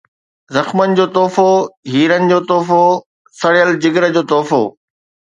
زخمن جو تحفو، هيرن جو تحفو، سڙيل جگر جو تحفو